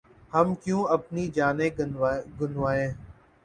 ہم کیوں اپنی جانیں گنوائیں ۔